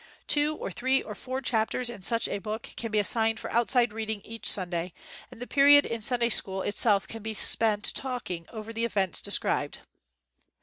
Two or three or four chapters in such a book can be assigned for outside reading each Sunday, and the period in Sunday school it self can be spent in talking over the events described.